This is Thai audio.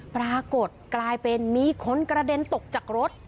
ปรากฏกลายเป็นมีคนกระเด็นตกจากรถ